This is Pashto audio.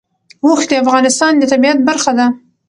اوښ د افغانستان د طبیعت برخه ده.